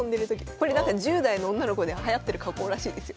これなんか十代の女の子ではやってる加工らしいですよ。